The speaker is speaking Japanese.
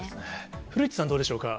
古市さん、どうでしょうか。